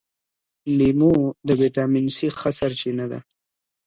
لیمو د ویټامین سي ښه سرچینه ده.